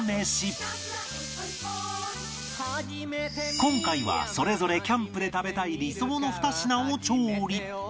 今回はそれぞれキャンプで食べたい理想の２品を調理